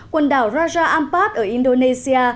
quần đảo raja ampat ở indonesia